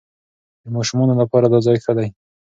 د ماشومانو لپاره دا ځای ښه دی.